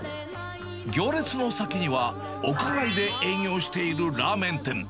行列の先には、屋外で営業しているラーメン店。